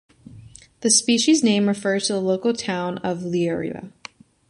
The species name refers to the local town of Leiria.